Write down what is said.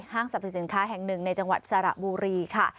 สรรพสินค้าแห่งหนึ่งในจังหวัดสระบุรีค่ะ